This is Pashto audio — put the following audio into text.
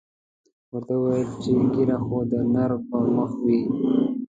ورته ویې ویل چې ږیره خو د نر پر مخ وي.